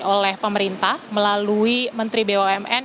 oleh pemerintah melalui menteri bumn